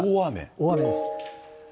大雨です。